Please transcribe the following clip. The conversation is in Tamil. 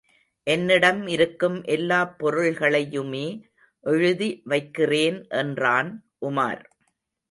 என்னிடம் இருக்கும் எல்லாப் பொருள்களையுமே எழுதி வைக்கிறேன் என்றான் உமார்.